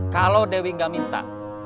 kalau dewi gak minta